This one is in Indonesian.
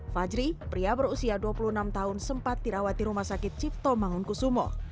fajri pria berusia dua puluh enam tahun sempat dirawat di rumah sakit cipto mangunkusumo